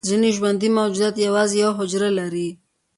ځینې ژوندي موجودات یوازې یوه حجره لري